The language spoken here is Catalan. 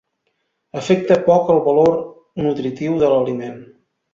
Afecta poc el valor nutritiu de l'aliment.